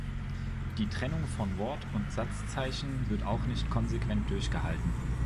Die Trennung von Wort- und Satzzeichen wird auch nicht konsequent durchgehalten.